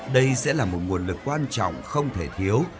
đây sẽ là một nguồn lực quan trọng không thể thiếu